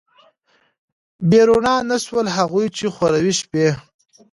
بې رڼا نه شول، هغوی چې خوروي شپې